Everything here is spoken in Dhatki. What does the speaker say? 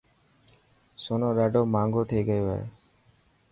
سونو ڏاڌو ماهنگو ٿي گيو هي.